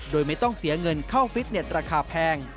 โดยไม่ต้องเสียเงินเข้าฟิตเน็ตราคาแพง